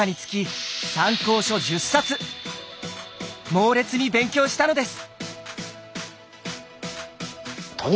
猛烈に勉強したのです！